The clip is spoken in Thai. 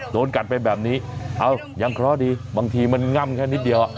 โดนกัดไปแบบนี้เอ้ายังเคราะห์ดีบางทีมันง่ำแค่นิดเดียว